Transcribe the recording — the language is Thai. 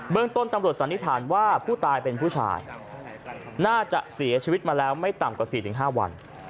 เมืองต้นตำรวจสันนิษฐานว่าผู้ตายเป็นผู้ชายน่าจะเสียชีวิตมาแล้วไม่ต่ำกว่า๔๕วัน